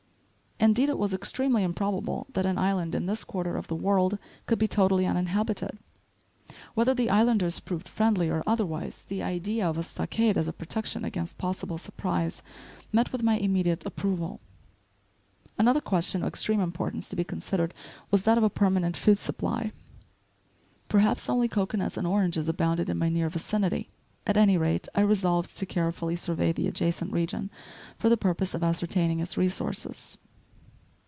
Indeed, it was extremely improbable that an island in this quarter of the world could be totally uninhabited. Whether the islanders proved friendly or otherwise, the idea of a stockade as a protection against possible surprise met with my immediate approval. Another question of extreme importance to be considered was that of a permanent food supply. Perhaps only cocoanuts and oranges abounded in my near vicinity; at any rate, I resolved to carefully survey the adjacent region for the purpose of ascertaining its resources.